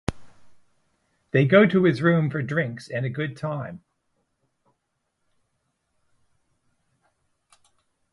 They go to his room for drinks and a good time.